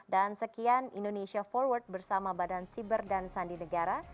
dan sekian indonesia forward bersama badan cyber dan sandi negara